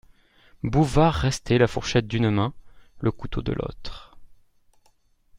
Bouvard restait la fourchette d'une main, le couteau de l'autre.